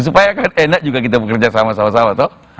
supaya kan enak juga kita bekerja sama sama toh